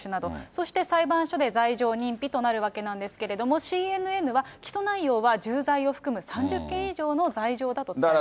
そして裁判所で罪状認否となるわけなんですけれども、ＣＮＮは起訴内容は重罪を含む３０件以上の罪状だと伝えています。